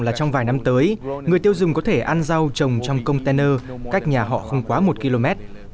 là trong vài năm tới người tiêu dùng có thể ăn rau trồng trong container cách nhà họ không quá một km